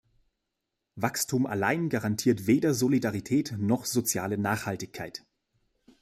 Wachstum allein garantiert weder Solidarität noch soziale Nachhaltigkeit.